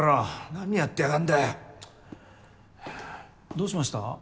どうしました？